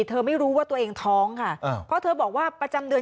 เธอไม่รู้ว่าตัวเองท้องค่ะเพราะเธอบอกว่าประจำเดือน